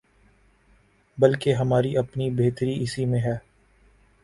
بلکہ ہماری اپنی بہتری اسی میں ہے۔